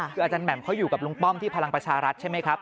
คืออาจารย์แหม่มเขาอยู่กับลุงป้อมที่พลังประชารัฐใช่ไหมครับ